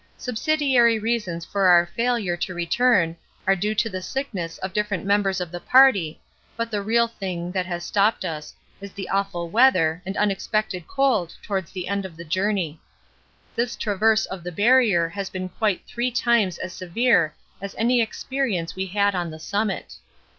Subsidiary reasons of our failure to return are due to the sickness of different members of the party, but the real thing that has stopped us is the awful weather and unexpected cold towards the end of the journey. This traverse of the Barrier has been quite three times as severe as any experience we had on the summit.